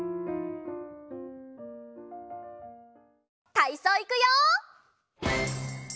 たいそういくよ！